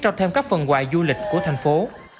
trao thêm các phần quà du lịch của thành phố